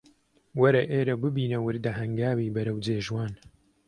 وەرە ئێرە و ببینە وردە هەنگاوی بەرەو جێژوان